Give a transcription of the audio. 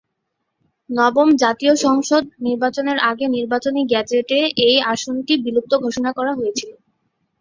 নবম জাতীয় সংসদ নির্বাচনের আগে নির্বাচনী গেজেটে এই আসনটি বিলুপ্ত ঘোষণা করা হয়েছিল।